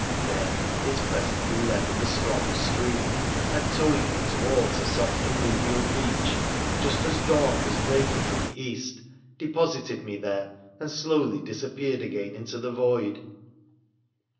Then it presently left the strong stream, and towing me towards a Boft alluvial beacb, just as dawn was breaking in the east, PHRA THE PHCENICIAN 63 deposited mo there, and slowly disappeared again into the void.